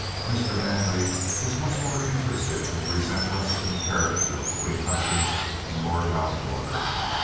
Mr. Manley was much more interested in the resemblance in character between Hutchings and Lord Loudwater.